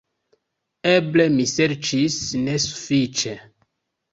Eble mi serĉis nesufiĉe.